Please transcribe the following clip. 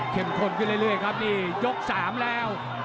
ข้นขึ้นเรื่อยครับนี่ยก๓แล้ว